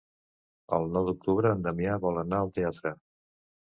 El nou d'octubre en Damià vol anar al teatre.